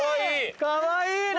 かわいい！